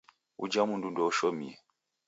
Uja mndu ndoushomie.